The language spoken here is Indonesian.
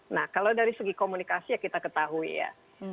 nah kalau dari segi komunikasi ya kita ketahui ya